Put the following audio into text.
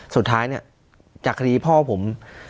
สุดท้ายเนี่ยจากคดีพ่อผม